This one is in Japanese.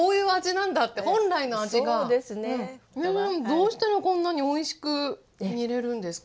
どうしたらこんなにおいしく煮れるんですか？